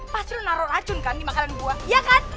pasti lo naruh racun kan di makanan gue iya kan